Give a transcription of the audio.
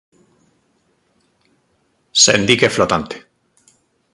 Sen dique flotante.